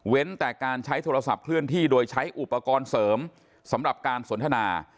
แต่การใช้โทรศัพท์เคลื่อนที่โดยใช้อุปกรณ์เสริมสำหรับการสนทนา